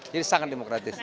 jadi sangat demokratis